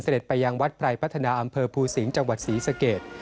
ไปยังวัดไพรพัฒนาอำเภอภูสิงห์จังหวัดศรีสเกต